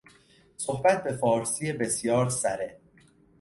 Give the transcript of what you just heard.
صحبت به فارسی بسیار سره